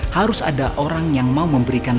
harus ada orang yang mau memberikan